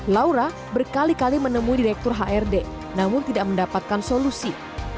laura berkali kali menemui direktur hrd namun tidak mendapatkan solusi